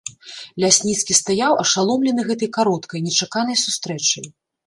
Лясніцкі стаяў, ашаломлены гэтай кароткай, нечаканай сустрэчай.